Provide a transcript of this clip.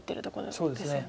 そうですね。